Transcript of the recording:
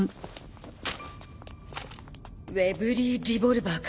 ウェブリー・リボルバーか。